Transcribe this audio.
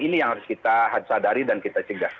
ini yang harus kita sadari dan kita cegah